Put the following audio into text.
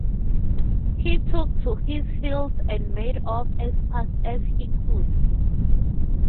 He took to his heels and made off as fast as he could.